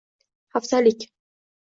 Haftalik